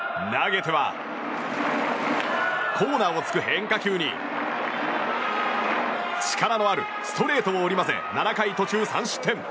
投げてはコーナーをつく変化球に力のあるストレートを織り交ぜ７回途中３失点。